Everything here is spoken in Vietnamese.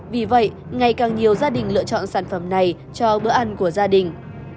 vì vậy ngày càng nhiều gia đình lựa chọn sản phẩm này cho bữa ăn của gia đình